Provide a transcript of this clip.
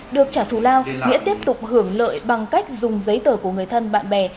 được trả thù lao nghĩa tiếp tục hưởng lợi bằng cách dùng giấy tờ của người thân bạn bè